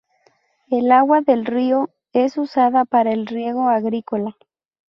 El agua del río es usada para el riego agrícola.